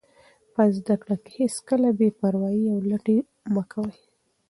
په زده کړه کې هېڅکله بې پروایي او لټي مه کوئ.